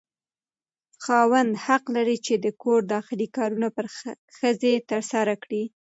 خاوند حق لري چې د کور داخلي کارونه پر ښځه ترسره کړي.